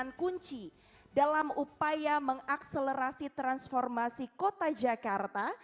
dan memiliki kunci dalam upaya mengakselerasi transformasi kota jakarta